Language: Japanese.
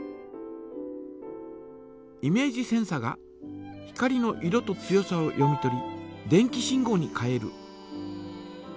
イメージセンサが光の色と強さを読み取り電気信号に変える。